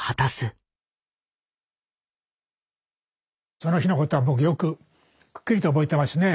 その日のことは僕よくクッキリと覚えてますね。